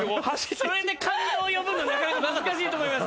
それで感動をよぶのなかなか難しいと思います。